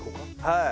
はい。